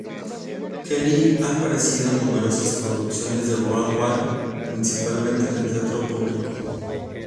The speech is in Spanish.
Kelly ha aparecido en numerosas producciones de Broadway, principalmente en el teatro público.